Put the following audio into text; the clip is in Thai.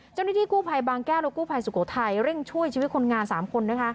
เจ้าหน้าที่กู้ภัยบางแก้วและกู้ภัยสุโขทัยเร่งช่วยชีวิตคนงาน๓คน